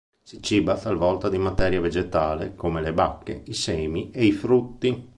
Si ciba talvolta di materia vegetale come le bacche, i semi e i frutti.